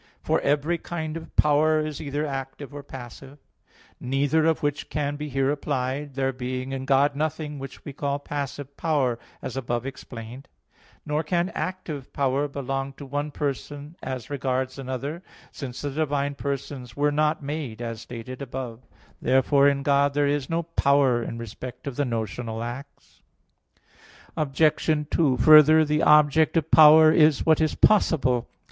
For every kind of power is either active or passive; neither of which can be here applied, there being in God nothing which we call passive power, as above explained (Q. 25, A. 1); nor can active power belong to one person as regards another, since the divine persons were not made, as stated above (A. 3). Therefore in God there is no power in respect of the notional acts. Obj. 2: Further, the object of power is what is possible.